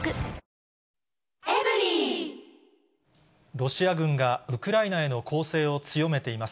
ロシア軍がウクライナへの攻勢を強めています。